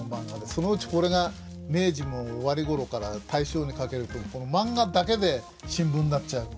そのうちこれが明治も終わり頃から大正にかけるとマンガだけで新聞になっちゃう。